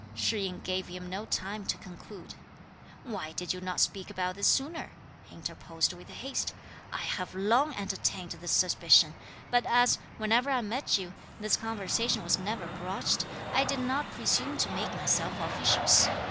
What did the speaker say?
Shih yin gave him no time to conclude. "Why did you not speak about this sooner?" he interposed with haste. "I have long entertained this suspicion; but as, whenever I met you, this conversation was never broached, I did not presume to make myself officious.